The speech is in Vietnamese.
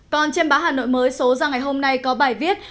còn trên báo hà nội mới số ra ngày hôm nay có bài viết